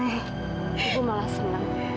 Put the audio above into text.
ibu malah senang ya